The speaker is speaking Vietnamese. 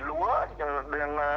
là cái chuyên về lúa